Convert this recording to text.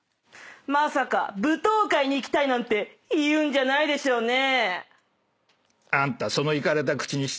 まさか舞踏会に行きたいなんて言うんじゃないでしょうね？